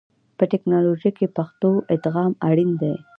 په ټکنالوژي کې پښتو ادغام اړین دی.